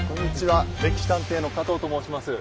「歴史探偵」の加藤と申します。